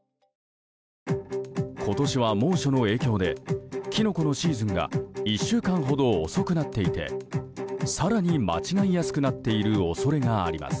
今年は猛暑の影響でキノコのシーズンが１週間ほど遅くなっていて更に間違いやすくなっている恐れがあります。